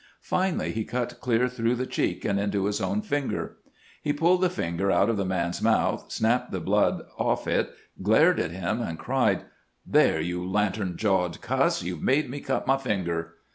Finally he cut clear through the cheek and into his own finger. He pulled the finger out of the man's mouth, snapped the blood off it, glared at him, and cried: ' There, you lantern jawed cuss, you 've made me cut my finger